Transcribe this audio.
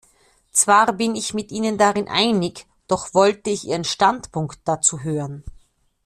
Zwar bin ich mit Ihnen darin einig, doch wollte ich Ihren Standpunkt dazu hören.